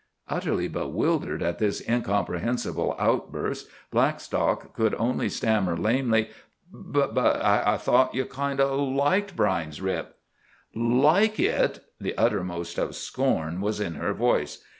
Utterly bewildered at this incomprehensible outburst, Blackstock could only stammer lamely: "But—I thought—ye kind o' liked Brine's Rip." "Like it!" The uttermost of scorn was in her voice.